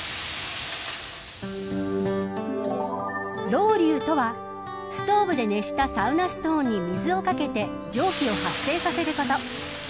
ロウリュとはストーブで熱したサウナストーンに水をかけて蒸気を発生させること。